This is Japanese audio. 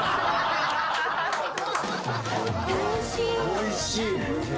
おいしいね。